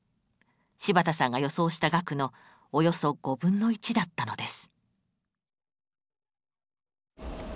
柴田さんが予想した額のおよそ５分の１だったのです。